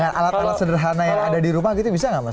dengan alat alat sederhana yang ada di rumah gitu bisa nggak mas